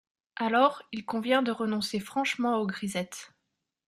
Alors, il convient de renoncer franchement aux grisettes.